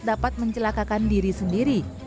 dapat mencelakakan diri sendiri